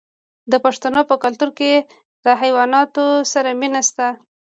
د پښتنو په کلتور کې د حیواناتو سره مینه شته.